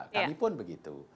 kami pun begitu